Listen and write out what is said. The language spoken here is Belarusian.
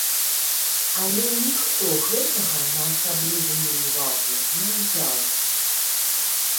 Але ніхто гэтага на асаблівую ўвагу не ўзяў.